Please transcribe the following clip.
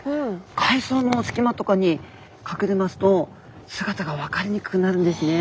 海藻のすきまとかにかくれますと姿が分かりにくくなるんですね。